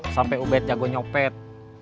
sampai ubed jago nyopet